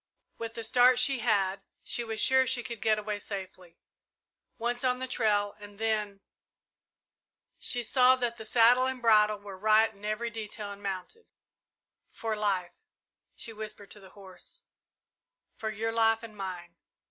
With the start she had, she was sure she could get away safely. Once on the trail, and then She saw that saddle and bridle were right in every detail, and mounted. "For life," she whispered to the horse; "for your life and mine!"